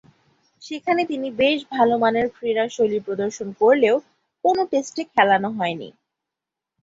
সেখানে তিনি বেশ ভালোমানের ক্রীড়াশৈলী প্রদর্শন করলেও কোন টেস্টে খেলানো হয়নি।